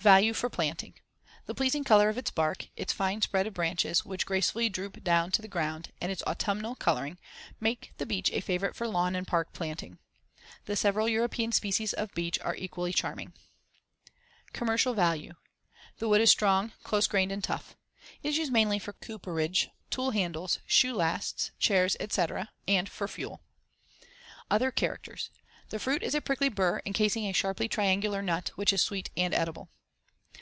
Value for planting: The pleasing color of its bark, its fine spread of branches, which gracefully droop down to the ground, and its autumnal coloring, make the beech a favorite for lawn and park planting. The several European species of beech are equally charming. [Illustration: FIG. 56. Bark of the Hackberry.] Commercial value: The wood is strong, close grained, and tough. It is used mainly for cooperage, tool handles, shoe lasts, chairs, etc., and for fuel. Other characters: The fruit is a prickly burr encasing a sharply triangular nut which is sweet and edible.